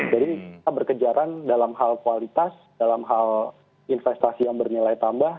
jadi kita berkejaran dalam hal kualitas dalam hal investasi yang bernilai tambah